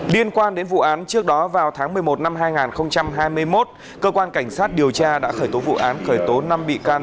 liên quan đến vụ án trước đó vào tháng một mươi một năm hai nghìn hai mươi một cơ quan cảnh sát điều tra đã khởi tố vụ án khởi tố năm bị can